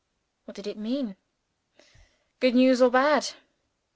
What did it mean? Good news or bad?